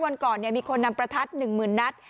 วันก่อนเนี้ยมีคนนำประทัดหนึ่งหมื่นนัก